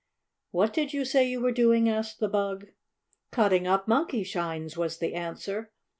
"What did you say you were doing?" asked the bug. "Cutting up Monkeyshines," was the answer.